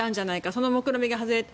そのもくろみが外れた。